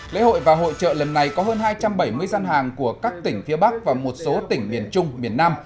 lễ hội và hội trợ lần này có hơn hai trăm bảy mươi gian hàng của các tỉnh phía bắc và một số tỉnh miền trung miền nam